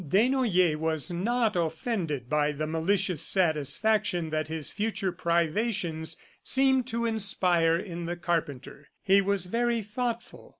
Desnoyers was not offended by the malicious satisfaction that his future privations seemed to inspire in the carpenter. He was very thoughtful.